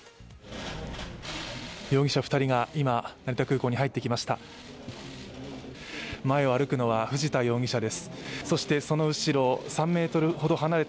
容疑者２人が今成田空港に入ってきました。